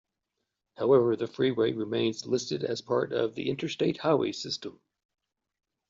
However, the freeway remains listed as a part of the Interstate Highway System.